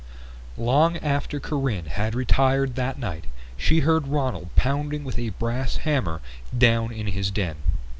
Long after Corinne had retired that night she heard Ronald pounding with a brass hammer down in his den.